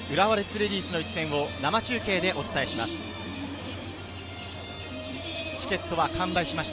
レディースの一戦を生中継でお伝えします。